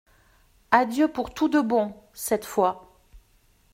Adieu pour tout de bon, cette fois.